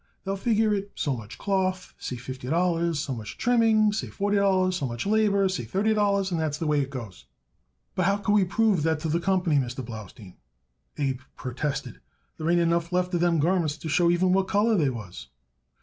They'll figure it: so much cloth say, fifty dollars; so much trimmings say, forty dollars; so much labor say, thirty dollars; and that's the way it goes." "But how could we prove that to the company, Mr. Blaustein?" Abe protested. "There ain't enough left of them garments to show even what color they was."